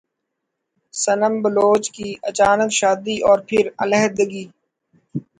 صنم بلوچ کی اچانک شادی اور پھر علیحدگی